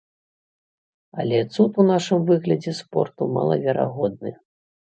Але цуд у нашым выглядзе спорту малаверагодны.